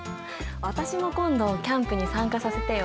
私も今度キャンプに参加させてよ。